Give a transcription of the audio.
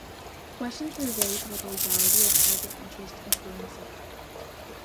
Questions were raised about the legality of private interests influencing government.